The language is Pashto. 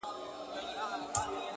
سیاه پوسي ده; ماسوم یې ژاړي;